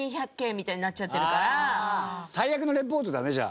最悪のリポートだねじゃあ。